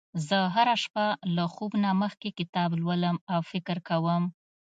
زه هره شپه له خوب نه مخکې کتاب لولم او فکر کوم